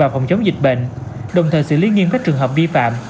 và phòng chống dịch bệnh đồng thời xử lý nghiêm các trường hợp vi phạm